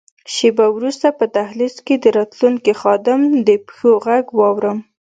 شیبه وروسته په دهلېز کې د راتلونکي خادم د پښو ږغ واورم.